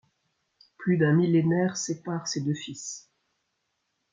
Plus d’un millénaire sépare ces deux fils.